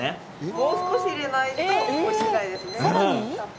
もう少し入れないとおいしくないですね。